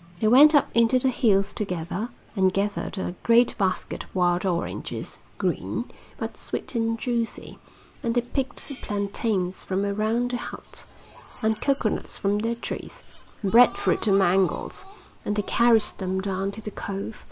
They went up into the hills together and gathered a great basket of wild oranges, green, but sweet and juicy; and they picked plantains from around the hut, and coconuts from their trees, and breadfruit and mangoes; and they carried them down to the cove.